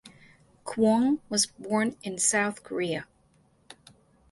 Kwon was born in South Korea.